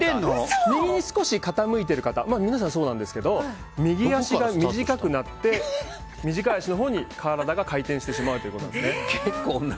右に少し傾いてる方皆さんそうなんですけど右足が短くなって短い足のほうに体が回転してしまうということなんですね。